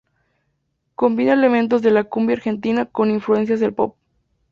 Combina elementos de la cumbia argentina con influencias del pop.